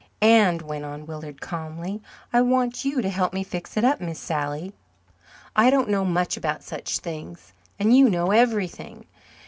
"And," went on Willard calmly, "I want you to help me fix it up, Miss Sally. I don't know much about such things and you know everything.